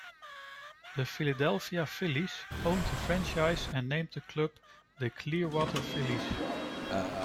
The Philadelphia Phillies owned the franchise and named the club the Clearwater Phillies.